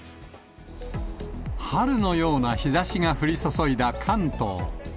春のような日ざしが降り注いだ関東。